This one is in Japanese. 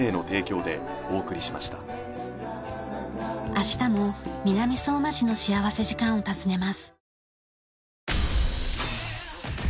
明日も南相馬市の幸福時間を訪ねます。